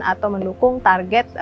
atau mendukung target